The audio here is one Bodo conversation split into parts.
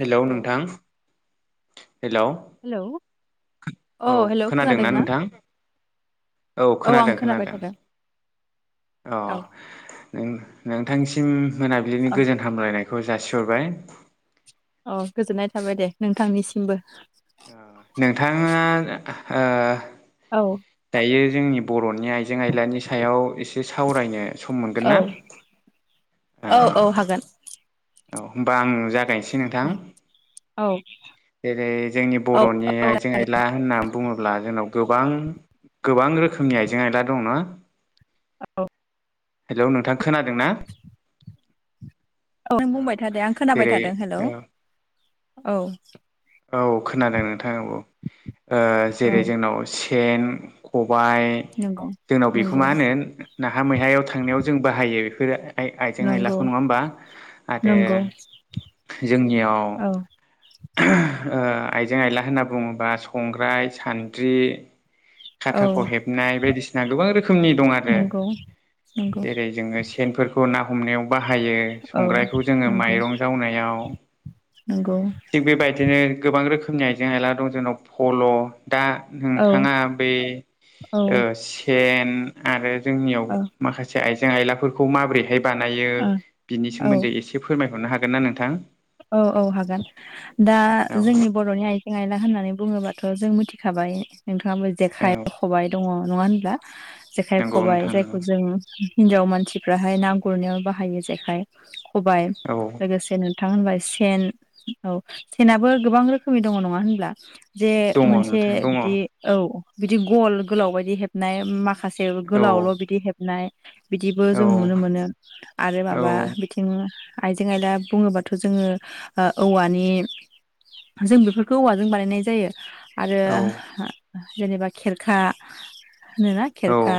हेलौ नोंथां हेलौ हेलौ औ हेल' खोनादों खोनादोंना ना? नोंथां औ खोनादों आं खोनाबाय खोनादों थादों। अ औ नों नोंथांनिसिम मोनाबिलिनि औ गोजोन हामलायनाय। खौ जासिहरबाय। औ गोजोननाय थाबाय दे नोंथांनिसिमबो। नोंथाङा ओ औ दायो जोंनि बर'नि आइजें आइलानि सायाव एसे सावरायनो सम मोनगोन औ ना? औ औ हागोन। औ होमबा आं जागायनोसै नोंथां। औ जेरै जोंनि औ बर'नि आइजें आइला होनना बुङोब्ला जोंनाव। गोबां गोबां रोखोमनि आइजें आयला दं ना। औ। हेल' नोंथां खोनादों? औ नों बुंबाय था दे आं खोनाबाय जेरै थादों हेल' औ औ। औ खोनादों नोंथाङा औ औ जेरै जोंनाव सेन। खबाय नंगौ जोंनाव बेखौ नंगौ मा होनो नाहा मैहायाव थांनायाव जों बाहायो बेफोरो। आइजें नंगौ आयलाखौ नङा होमबा आरो नंगौ जोंनियाव। औ आइजें आइला होनना बुङोबा संग्राय सान्द्रि। औ खाथाख हेबनाय बायदिसिना गोबां रोखोमनि दं आरो। नंगौ नंगौ जेरै जोङो सेनफोरखौ ना हमनायाव बाहायो औ संग्रायखौ जोङो नंगौ माइरं जावनायाव। [inaudible] नंगौ। बिदिनो गोबां रोखोमनि आइजें आइला दं जोंनाव पल' दा औ नोंथाङा। औ स आरो जोंनि मसे आइजें आइलाफोरखौ माबोरैहाय बानायो औ बिनि सोमोन्दै एसे फोरमायहरनो हागोन ना नोंथां। औ औ हागोन दा औ जोंनि बर'नि आइजें। आइला होननानै बुङोब्लााथ' जों मिथिखाबाय नोंथाङाबो औ जेखाइ खबाइ दङ नङा होनब्ला। जेखाइ नंगौ खबबाय नोंथां नंगौ जायखौ जों। हिनजाव मानसिफ्राहाय ना गुरनायाव बाहायो जेखाइ खबाइ औ लोगोसेनो। [inaudible] जे दङ मोनसे नोंथां दङ औ बिदि औ बिदि गल गोलाव बायदि हेबनाय माखासे। माखासे औ गोलावल' बिदि हेबनाय। बिदिबो औ जों नुनो मोनो आरो माबा बिथिं आइजें आइला बुङोब्ला। जोङो औवानि जों बेफोरखौ औवाजों बानायनाय जायो। आरो औ जेनेबा खेरखा। होनोना औ खेरखा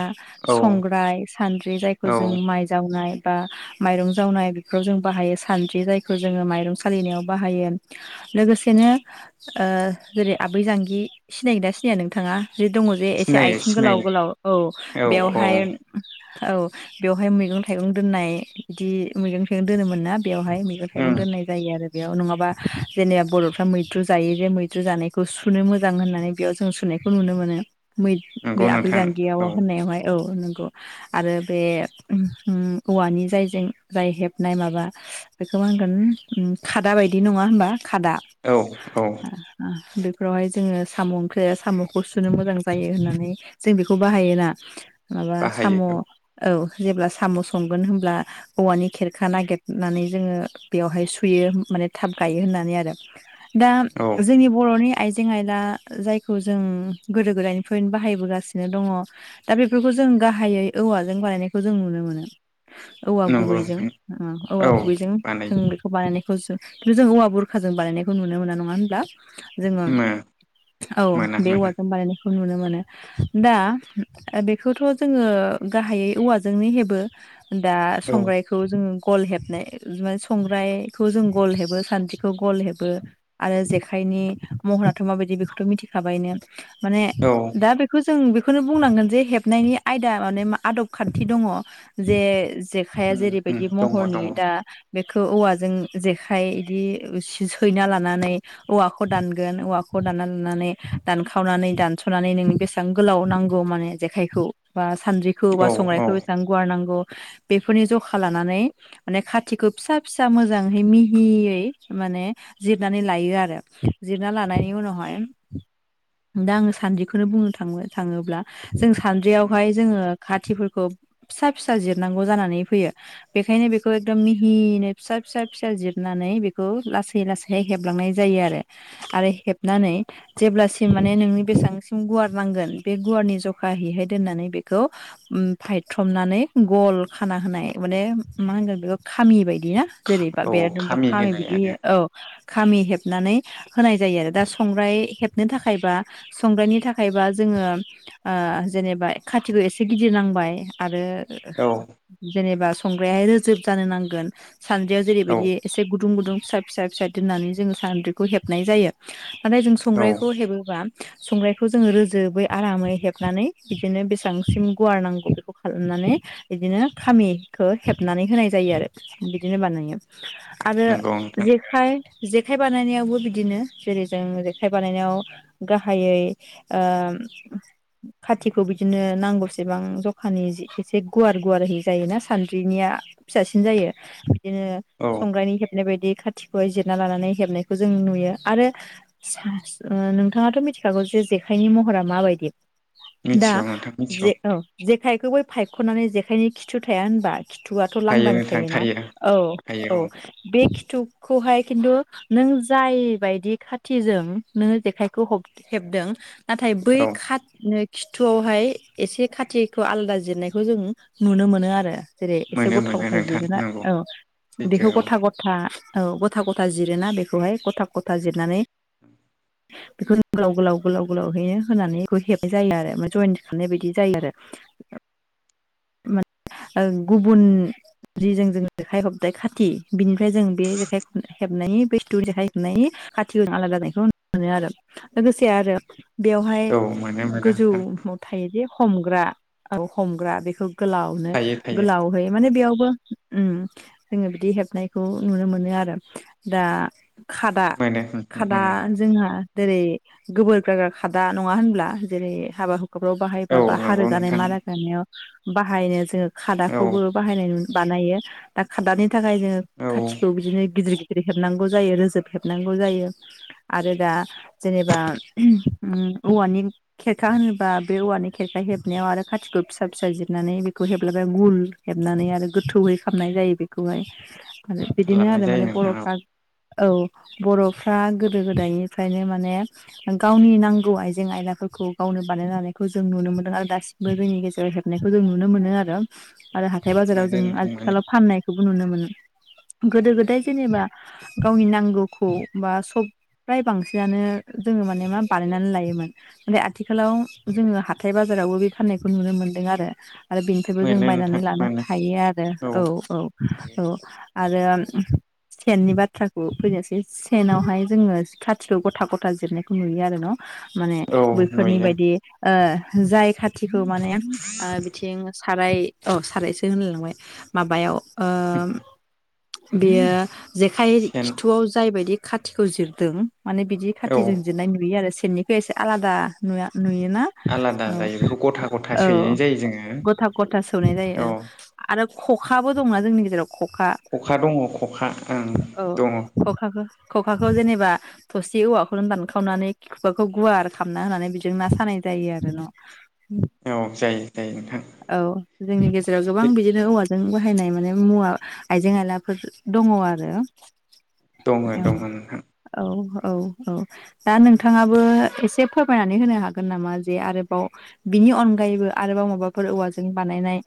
औ संग्राय सान्द्रि जायखौ औ जों माइ जावनाय। बा माइरं जावनाय बेफोराव जों बाहायो सानद्रि जायखौ। खौ जोङो माइरं सालिनायाव बाहायो लोगोसेनो जेरै आबै दांगि। सिनायोदा सिनाया नोंथाङा जे दङ जे एसे सिनायो आइथिं गोलाव सिनायो गोलाव औ औ औ बेवहाय औ बेवहाय मैगं थाइगं दोननाय बिदि मैगं थाइगं दोनोमोन ना बेवहाय मैगं थाइगं ओम दोननाय जायो आरो बेयाव नङाबा जेने बरफ्रा मैद्रु जायो जे मैद्रु जानायखौ सुनो मोजां होननानै बेयाव जों सुनो नायखौ नुनो मोनो मै नंगौ बे आबै नोंथां जानगियाव औ होननायावहाय औ आरो बे औवानि जायजों जाय हेबनाय माबा बेखौ मा होनगोन खादा बायदि नङा होनबा खादा औ औ ओ ओ बेफोरावहाय जोङो साम ओंख्रि सामखौ सुनो मोजां जायो होननानै जों बेखौ बाहायोना माबा साम बाहायो औ जेब्ला साम संगोन होनब्ला औवानि खेरखा नागेदनानै जोङो बेवहाय सुयो माने थाब गायो होननानै आरो दा औ औ जोंनि बरनि आइजें आयला जायखौ जों गोदो गोदायनिफ्रायनो बाहायबोगासिनो दङ दा बेफोरखौ जों जों गाहायै औवाजों बानायनायखौ जों नुनो मोनो औवा नंगौ गुबैजों नोंथां ओ औवा औ गुबैजों बानायो जों बेखौ बानायनाय खौसो खिन्थु जों औवा बुरखाजों बानायनायखौ नुनो मोना नङा होनब्ला जोङो मो औ मोना बे मोना औवाजों बानायनो नुनो मोनो दा बेखौथ जोङो गाहायै औवाजोंनो हेबो दा औ संग्राइखौ जोङो गल हेबनो संग्राइ खौ जों गल हेबो सान्द्रिखौ गल हेबो आरो जेखाइनि महराथ माबायद बेखौथ मिथिखाबायनो माने औ दा बेखौ जों खोनो बुंनांगोन जे हेबनायनि आयदा माने आदब खान्थि दङ जे जेखाया उम उम जेरैबायदि दङ महरनि दङ दा बेखौ औवाजों जेखाइ इदि सि सैना लानानै औवाखौ दानगोन औवा खौ दानना लानानै दानखावनानै दानसनानै नोंनि बेसेबां गोलाव नांगौ माने जेखायखौ बा सानद्रिखौ बा औ औ संग्राइखौ बेसेबां गुवार नांगौ बेफोरनि जखा लानानै माने खाथिखो फिसा फिसा मोजाङै मिहियै माने जिरनानै लायो आरो जिरना लानाय उ उनावहाय दा आङो सानदिखौनो बुंनो थाङो थाङोब्ला जों औ सान्द्रियावहाय जोङो खाथ थिफोरखौ फिसा फिसा जिरनांगौ जानानै फैयो बेखायनो बेखौ एकदम मि हिनो फिसा फिसा फिसा जिरनानै बेखौ लासै लासैै हेबलांनाय जायो आरो आरो हेबनानै जेब्लासिम माने नोंनि बेसेबांसिम गुवार नांगोन बे गुवारनि जखाहैहाय दोनना नै बेखौ ओम फायथ्रमनानै गल खाना होनाय माने मा होनगोन बेखौ खामि बायदि ना जेरैबा औ बेरा दुमबा खामि होनाय बिदि आरो होयो औ खामि हेबनानै होनाय जायो आरो दा संग्राइ हेबनो थाखायबा संग्राइनि थाखायबा जों जोङो ओ जेनेबा खाथिखौ एसे गिदिर नांबाय आरो औ जेनेबा संग्रायाहाय रोजोब जानो नांगोन सानद्रियाव औ जेरैबायदि एसे गुद दुं गुदुं फिसा फिसा फिसा दोननानै जोङो सानद्रिखौ हेबनाय जायो नाथाय जों औ संग्राइखौ हेबोबा संग्राइखौ जोङो रोजोबै आरामै हेबनानै बिदिनो बेसेबांसिम गुवार नांगौ बेखौ खालामना नै बिदिनो खामि खौ हेबनानै होनाय जायो आरो बिदिनो बानायो आरो नंगौ नोंथां जेखाइ जेखाइ बानायनायावबो बिदिनो जेरै जों जेखाइ बानायनायाव गाहायै ओ ओम खाथिखौ बिदिनो नांगौसेबां जखानि जि एसे गुवार गुवारै सि जायोना सान्द्रिनिया फिसासिन जायो बिदिनो औ संग्राइनि हेब बेबायदि खाथिखौहाय जिरना लानानै हेबनायखौ जों नुयो आरो सास नोंथाङाथ' मिथ थिखागौ जे जेखायनि महरा माबायदि दा मिथिगौ नोंथां मिथिगौ जे औ जेखायखौ बै फायखनानै जेखायनि खिथु थाया होनबा खिथुआव थ थायो लांदां नोंथां थायोना थायो औ औ बे खिथुखौहाय खिन्थु नों जायबायदि खाथिजों नोङो जेखाइखौ हफ हेबदों नाथाय बै औ खाथनोग खिथुआवहाय एसे खाथिखौ आलादा जिरनायखौ जों नुनो मोनो आरो जेरै एसे मोनो गथा मोनो गथा नोंथां जिरोना नंगौ औ सैथो इदिखौ गथा गथा औ गथा गथा जिरोना बेखौहाय गथा गथा जिरनानै [inaudible] बेखौ गोलाव गोलाव गोलाव गोलावहैनो होनानै बेखौ हेबनाय जायो आरो जयेन खालामनाय बायदि जायो आरो। [inaudible] मान ओं गुबुन जि जों जों जेखाइ हबबाय खाथि बिनिफ्राय जों बे जेखाइ हेबनायनि बे जिथु जेखाइ हेबनायनि खाथिखौ आलादा जानायखौ नुनो मोनो आरो लोगोसे आरो बेवहाय औ मोनो मोनो नोंथां गोजौआव थायोदि हमग्रा औ हमग्रा बेख गोलावनो थायो थायो गोलावहै माने बेयाव बो ओम जोङो बिदि हेबनायखौ नुनो मोनो आरो दा खादा मोनो खादा मोनो जोंहा जेरै गोबोर गाग्रा खादा नङा होनब्ला जेरै हाबा हु [unintelligible] बाहायबा औ बा नंगौ हारोगानाय नोंथां मा रोगानायाव बाहायनो जोङो औ खादाखौबो बाहायनाय नु बानायो दा खादानि थाखाय जोङो औ खाथिखौ बिदिनो गिदिर गि गिदिर हेबनांगौ जायो रोजोब हेबनांगौ जायो आरो दा जेनेबा औवानि खेरखा होनोबा बे औवानि खेरखा हेबनायाव आरो खाथिखौ फिसा फिसा जिर हेबनानै बेखौ हेबलायबाय गुल हेबनानै आरो गोथौयै खालामामनाय जायो बेखौहाय आरो बिदिनो खालामनाय आरो जायो माने नोंथां औ बर'फ्रा औ बर'फ्रा गोदो गोदायनिफ्रायनो माने गावनि नांगौ आइजें आयला खौ गावनो बानाय लानायखौ जों नुनो मोनदों आरो दासिमबो जोंनि गेजेराव हेब नायखौ जों नुनो मोनो आरो आरो हाथाय बाजाराव मोनो जों नोंथां मोनो आथिखालाव फाननायखौबो नुनो मोनो। गोदो मोनो गोदाय जेनेबा गावनि नांगौखौ बा सब फ्राय बांसिनानो जोङो माने मा बानायनानै लायोमोन माने आथिखालाव जोङो हाथाय बाजा रावबो बे फान्नायखौ नुनो मोनदों आ आरो बेनिफ्रायबो जों मोनो नोंथां बायनानै लानो मोनो हायो आरो औ औ औ। आरो। सेननि बाथ्राखौ फैनोसै सेनावहाय जोङो खाथिलयाव गथा गथा जिरनायखौ नुयो आरो न'। माने औ बैफोरनि नुयो बायदि ओ जाय खाथिखौ माने। ओ बिथिं साराय औ सारायसो होनलाय लांबाय माबायाव ओ [unintelligible] बेयो जेखाइ सेन खिथुआव जायबायदि खाथिखौ जिरदों माने बिदि औ खाथिजों जिरनाय नुयो आरो सेरनिखौ एसे आलादा नुया नुयोना आलादा औ जायो बेखौ गथा गथा औ। सोयै जायो जोङो गथा गथा सौनाय जायो ओं आरो खखाबो दंना जोंनि गेजेराव खखा औ खखा दङ खखा ओं औ दङ खखाखौ खखाखौ जेनेबा थसे औवाखौनो दानखावनानै खुगाखौ गुवार खालामामना होनानै बेजों ना सानाय जायो आरो न'। औ जायो जायो। औ। जोंनि गेजेराव गोबां बिदिनो औवाजों बाहायनाय माने मुवा आइजें आयलाफोर दङ' आरो। दङ' दङ' नोंथां। औ औ औ दा नोंथांङाबो एसे फोरमायनानै होनो हागोन नामा जे आरोबाव बिनि अनगायैबो आरोबाव माबा फोर औवाजों बानायनाय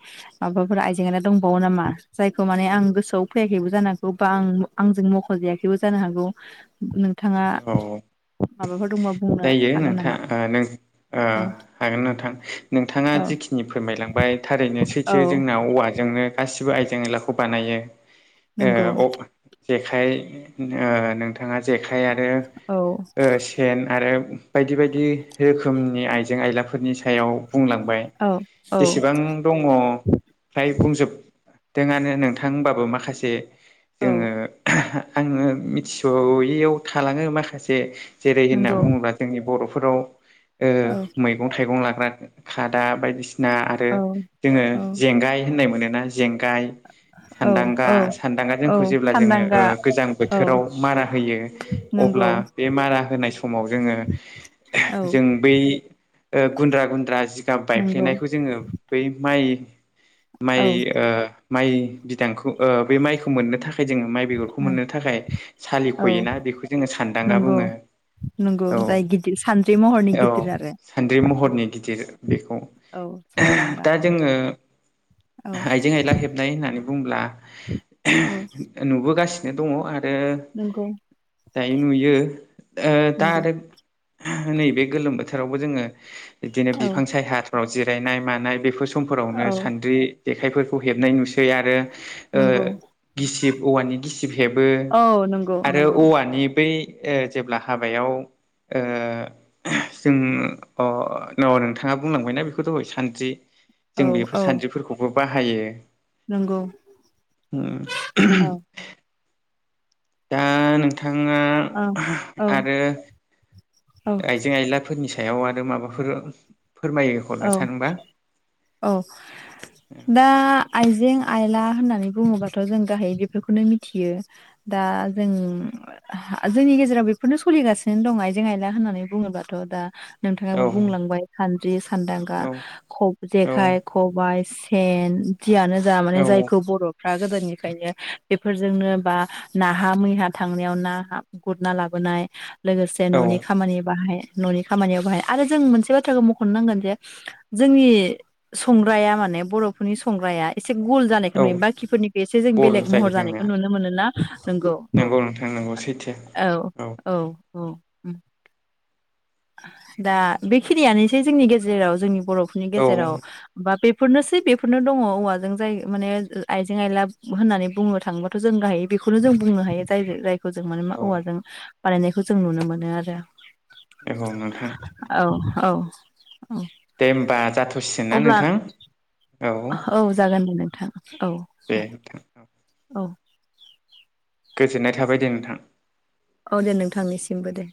माबाफोर आइजें आइला दंबावो नामा जायखौ माने आं गोसोआव फैयाखैबो जानो आंखौ बा आंजों मख'जायाखैबो जानो हागौ। नोंथांआ औ माबाफोर दंबा बुंनो जायो हागोन नोंथां नामा? ओ नं ओ औ हागोन नोंथां नोंथाङा औ जिखिनि फोरमायलांबाय थारैनो औ सैथो जोंना औवाजोंनो गासिबो आयजें आयलाखौ बानायो। नंगौ ओ अ जेखाय ओ नोंथा थाङा जेखाइ आरो औ ओ सेन आरो बायदि बायदि रोखोमनि आइजें आयलाफोरनि सायाव बुंलांबाय औ औ जेसेबां दङ' फ्राय बुंजोब दोंआनो नोंथां होमबाबो माखासे औ जोङो आङो मिथिस'यैआव थालाङो माखासे जेरै होनना नंगौ बा जोंनि बर'फोराव ओ औ मैगं थाइगं लाग्रा खादा बायदिसि ना आरो औ जोङो औ जेंगाय होननाय मोनोना जेंगाय औ सान्दांगा औ सान्दांगा औ जोंखौ जेब्ला जोङो सानदांगा गोजां औ बोथोराव मारा होयो अ नंगौ ब्ला बे मारा होनाय स समाव जोंओ औ जों बै ओ गुद्रा गुद्रा गाब नंगौ बायफ्लेनायखौ जोङो बै माइ माइ औ ओ माइ बिदांखौ ओ बे माइखौ मोननो थाख खाय जोङो माइ बेगरखौ मोननो थाखाय औ सालिख'योना बेखौ जोङो सानदांगा नंगौ बुङो। नंगौ औ जाय गिदिर सानद्रि महरनि औ गिदिर आरो। सान्द्रि महरनि गिदिर बेखौ औ सानदांगा औ आइजें-आइला हेबनाय होननानै बुंङोब्ला औ नुबोगासिनो दङ' आर रो नंगौ दायो नुयो ओ दा नंगौ आरो नैबे गोलोम बोथोरावबो जोङो बिदिनो औ बिफां सायहाफ्राव जिरायनाय मानाय बेफोर समफोरावनो औ सान्द्रि जेखाइफोरखौ हेबनाय नुसै बे आरो नंगौ ओ गिसिब औवानि गिसिब हेबो औ नंगौ आरो नंगौ औवानि बै ओ जेब्ला हाबायाव ओ जों अ न नोंथाङा बुंलांबायना बेखौथ' दहाय सानद्रि औ जों बेफोर औ सानद्रिफोरखौबो बाहायो। नंगौ औ। दानो नोंथाङा औ आरो औ आइजें आयलाफोरनि सोमो याव आरो माबाफोर फोरमायहरनो औ सानबा औ दा आइजें आइला होननानै बुङोबाथ' जों गाहायै बेफोरखौनो मिथियो दा जों जोंनि गेजेराव बेफोरनो सोलिगासिनो दं आइजें आइला होननानै बुङोबाथ' दा। औ नोंथाङाबो बुंलांबाय सानद्रि सानदांगा ख औ जेखाइ खबायाइ। एन जियानो जा औ माने जायखौ बरफ फ्रा गोदोनिफ्रायनो बेफोरजोंनो बा नाहा मैहा थांनायाव ना गुरना लाबो। नाय लोगोसे औ ननि खामानियाव बाहाय ननि खामानिआव बाहाय आरो जों मोनसे बाथ्राबो म'खनो नांगोन। जोंनि संग्राया माने बर'फोरनि संग्राया एसे एसे गुल जानायखौ औ नुयो बाखिफोरनिखौ एसे जों गल बेलेग जायो महर जानायखौ जोंनिया नुनो मोनोना। नोंगौ औ नंगौ नोंथां नंगौ सैथो औ औ औ। दा बेखिनियानोसै जोंनि गेजेर औ बेफोरनोसै बेफोरनो दङ औवाजों जाय माने आइजें आइला होननानै बुंनो थाङोबाथ' जों गाहायो बे बेखौनो जों बुंनो हायो जाय जायफोरजों माने मा औ औवाजों बानायनायखौ जों नुनो मोनो आरो। औ नोंथां। औ औ औ दे होमबा जाथ'सिगोन ना अब्ला नोंथां। औ जागोन दे नोंथां औ। दे नोंथां औ। गोजोननाय थाबाय दे नोंथां। औ दे नोंथांनिसिमबो दे।